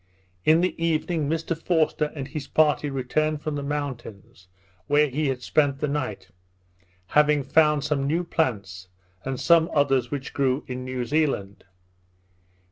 In the evening Mr Forster and his party returned from the mountains, where he had spent the night; having found some new plants, and some others which grew in New Zealand.